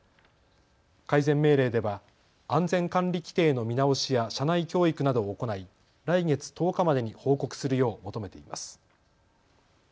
改善命令では安全管理規程の見直しや社内教育などを行い来月１０日までに報告するよう求めています。